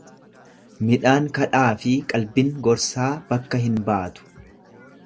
Midhaan kadhaafi qalbin gorsaa bakka hin baatu.